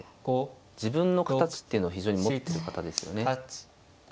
自分の形っていうのを非常に持ってる方ですよね。